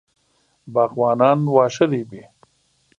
باغوانان واښه رېبي.